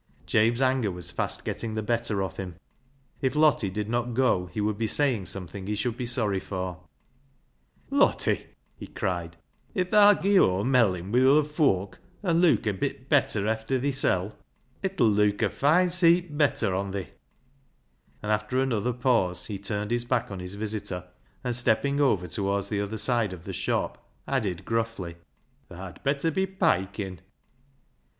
Jabe's anger was fast getting the better of him. If Lottie did not go, he would be saying something he should be sorry for. " Lottie," he cried, " if tha'll give o'er melling [meddling] wi' other foak, an' leuk a bit bet ter efther thisel', it 'ull leuk a foine seet bet ter on thi." And after another pause he turned his back on his visitor, and, stepping over towards the other side of the shop, added gruffly —" Tha'd bet ter be piking."